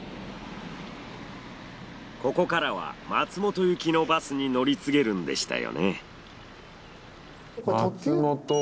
ここからは松本行きのバスに乗り継げるんでしたよね。